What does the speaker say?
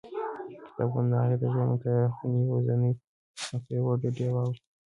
کتابونه د هغې د ژوند د تیاره خونې یوازینۍ او پیاوړې ډېوه وه.